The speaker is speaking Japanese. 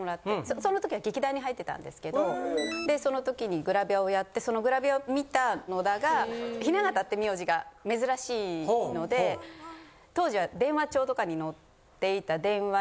そのときは劇団に入ってたんですけどでそのときにグラビアをやってそのグラビアを見た野田が雛形って名字が珍しいので当時は。